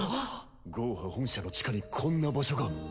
ゴーハ本社の地下にこんな場所が。